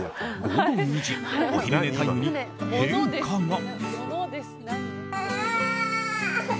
午後２時お昼寝タイムに変化が。